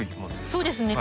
そうですね。